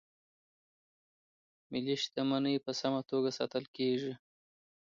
ملي شتمنۍ په سمه توګه ساتل کیږي.